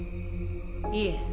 いえ。